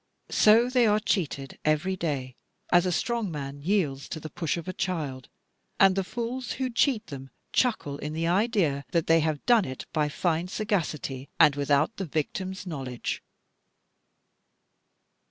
So they are cheated every day, as a strong man yields to the push of a child; and the fools who cheat them chuckle in the idea that they have done it by fine sagacity, and without the victim's knowledge.